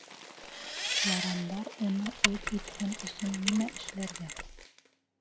Ярандар уны үҙ итһен өсөн нимә эшләргә?